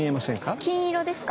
金色ですか？